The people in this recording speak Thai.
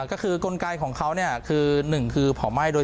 ก็คือกลไกของเขาเนี่ยคือหนึ่งคือเผาไหม้โดย